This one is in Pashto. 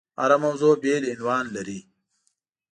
هره موضوع بېل عنوان لري.